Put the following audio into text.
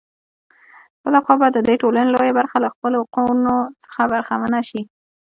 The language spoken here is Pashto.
بـله خـوا بـه د دې ټـولـنې لـويه بـرخـه لـه خپـلـو حـقـونـو څـخـه بـرخـمـنـه شـي.